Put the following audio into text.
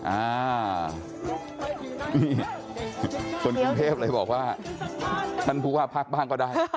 อ่านี่คนกรุงเทพเลยบอกว่าท่านผู้ว่าพักบ้างก็ได้